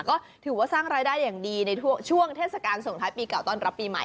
ก็ถือว่าสร้างรายได้อย่างดีในช่วงเทศกาลส่งท้ายปีเก่าต้อนรับปีใหม่